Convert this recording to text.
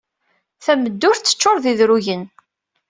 Tameddurt teččuṛ d idrugen.